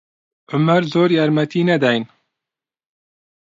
عومەر زۆر یارمەتی نەداین.